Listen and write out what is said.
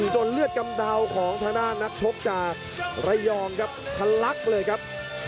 จนเลือดกำดาวของท่านหนักชบจากรายยองครับ